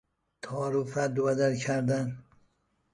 تعارف رد و بدل کردن